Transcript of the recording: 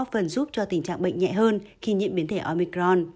có thể đã góp phần giúp cho tình trạng bệnh nhẹ hơn khi nhiễm biến thể omicron